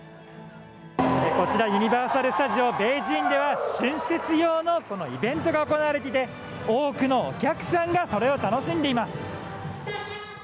ユニバーサル・スタジオ・ベイジンでは春節用のイベントが行われていて多くのお客さんがそれを楽しんでいます。